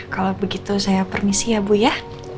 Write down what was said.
kalau begitu saya permisi ya bu ya